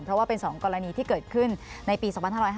เพราะว่าเป็น๒กรณีที่เกิดขึ้นในปี๒๕๕๙